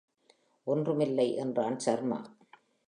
ஒன்றுமில்லை என்றான் சர்மா.